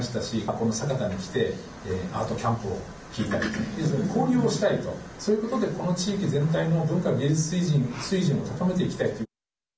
この酒田に来てアウトキャンプを聞いたり交流をしたいとそういうことでこの地域全体の文化芸術水準を高めていきたい。